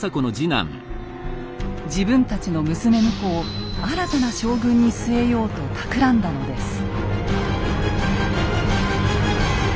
自分たちの娘婿を新たな将軍に据えようとたくらんだのです。